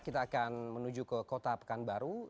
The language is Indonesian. kita akan menuju ke kota pekanbaru